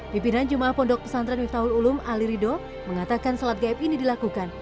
pimpinan jemaah pondok pesantren miftahul ulum ali rido mengatakan sholat gaib ini dilakukan